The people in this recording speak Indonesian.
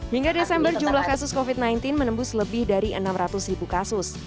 hingga desember jumlah kasus covid sembilan belas menembus lebih dari enam ratus ribu kasus